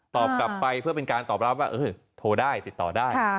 กลับไปเพื่อเป็นการตอบรับว่าโทรได้ติดต่อได้